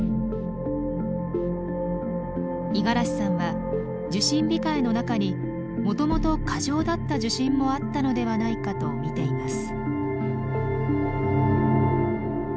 五十嵐さんは受診控えの中にもともと過剰だった受診もあったのではないかと見ています。